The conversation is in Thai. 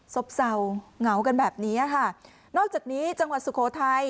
บเศร้าเหงากันแบบนี้ค่ะนอกจากนี้จังหวัดสุโขทัย